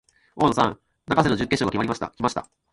大野さん、永瀬の準決勝が来ました。